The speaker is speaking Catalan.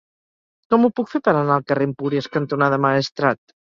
Com ho puc fer per anar al carrer Empúries cantonada Maestrat?